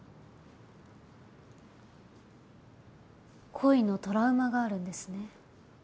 恋のトラウマがあるんですね。